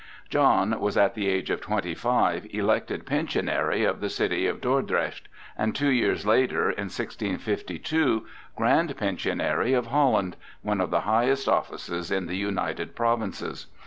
John was, at the age of twenty five, elected pensionary of the city of Dordrecht, and two years later, in 1652, Grand Pensionary of Holland, one of the highest offices in the United Provinces.